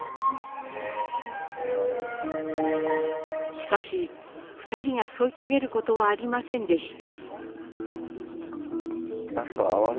しかし２人が添い遂げることはありませんでした。